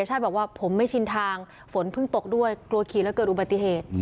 ชาติบอกว่าผมไม่ชินทางฝนเพิ่งตกด้วยกลัวขี่แล้วเกิดอุบัติเหตุ